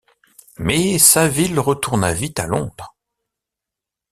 Mais Saville retourna vite à Londres.